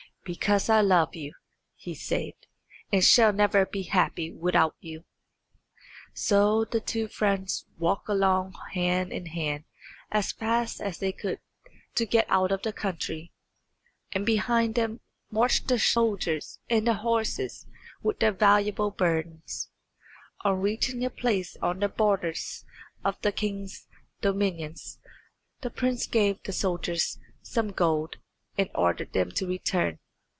"Because I love you," he said, "and shall never be happy without you." So the two friends walked along hand in hand as fast as they could to get out of the country, and behind them marched the soldiers and the horses with their valuable burdens. On reaching a place on the borders of the king's dominions the prince gave the soldiers some gold, and ordered them to return.